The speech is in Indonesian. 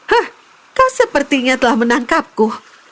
hah kau sepertinya telah menangkapku